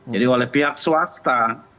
jadi oleh pihak swasta